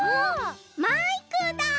マイクだ。